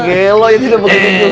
gelo ya tidak begitu juga